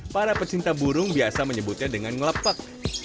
para pecinta burung biasa menyebutnya dengan ngelepak